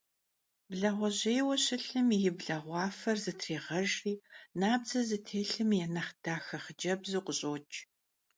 Blağue jjêyue şılhım yi blağuafer zıtrêğejjri nabdze zıtêlhım ya nexh daxe xhıcebzu khış'oç'.